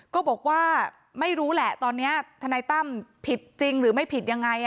ก็บอกว่าไม่รู้แหละตอนนี้ทนายตั้มผิดจริงหรือไม่ผิดยังไง